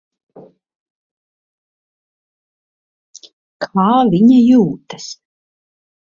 Kā viņa jūtas?